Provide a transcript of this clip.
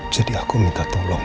jadi aku minta tolong